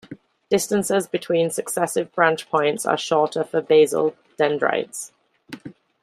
Distances between successive branch points are shorter for basal dendrites.